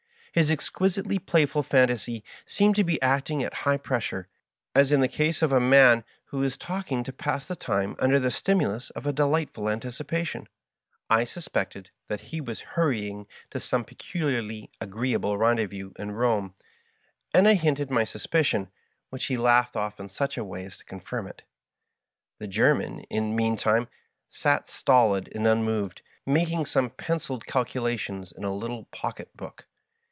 His exquisitely playful fantasy seemed to be acting at high pressure, as in the case of a man who is talking to pass the time under the stimulus of a delightful anticipation. I suspected that he was hurrying to some peculiarly agreeable rendezvous Digitized by VjOOQIC 144 i^r FASCINATING FRIEND. in Borne, and I hinted my suspicion, which he laughed oSL in sach a way as to confirm it. The Gennan, in the mean time, sat stolid and unmoved, making some pen ciled calculations in a little pocket book.